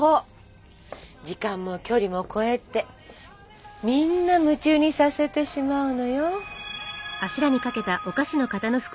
時間も距離も超えてみんな夢中にさせてしまうのよ。